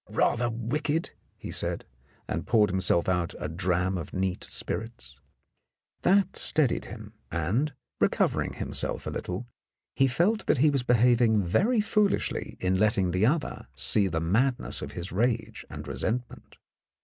"Rather wicked," he said, and poured himself out a dram of neat spirits. That steadied him, and, recovering himself a little, he felt that he was behaving very foolishly in letting the other see the madness of his rage and resentment.